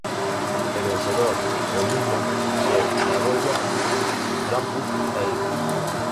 El vencedor del mismo fue Nagoya Grampus Eight.